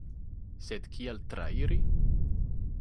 Sed kiel trairi?